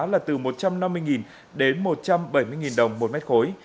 là từ một trăm năm mươi đến một trăm bảy mươi đồng một mét khối